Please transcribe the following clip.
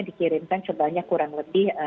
dikirimkan sebenarnya kurang lebih